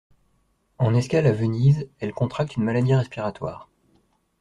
En escale à Venise, elle contracte une maladie respiratoire.